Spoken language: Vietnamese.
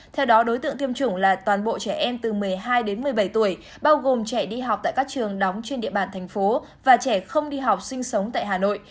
theo đó đối tượng tiêm chủng là toàn bộ trẻ em từ một mươi hai đến một mươi bảy tuổi bao gồm trẻ đi học tại các trường đóng trên địa bàn thành phố và trẻ không đi học sinh sống tại hà nội